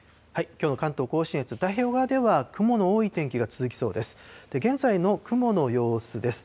きょうの関東甲信越、太平洋側では雲の多い天気が続きそうです。